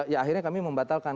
ya akhirnya kami membatalkan